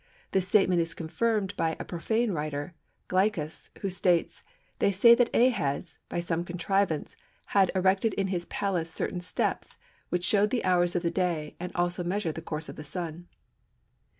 This statement is confirmed by a profane writer, Glycas, who states: "They say that Ahaz, by some contrivance, had erected in his palace certain steps, which showed the hours of the day, and also measured the course of the Sun."